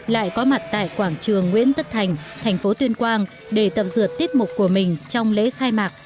lại có mặt tại quảng trường nguyễn tất thành thành phố tuyên quang để tập dượt tiết mục của mình trong lễ khai mạc